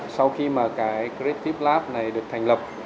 sau khi mà cái creative lab này được thành lập